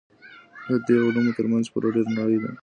د دې علومو ترمنځ پوله ډېره نرۍ ده.